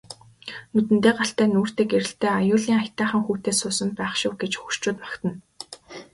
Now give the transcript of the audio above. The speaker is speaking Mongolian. Нүдэндээ галтай нүүртээ гэрэлтэй аюулын аятайхан хүүтэй суусан байх шив гэж хөгшчүүд магтана.